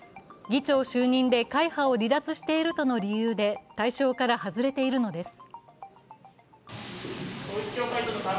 議長就任で会派を離脱しているとう理由で対象から外れているのです。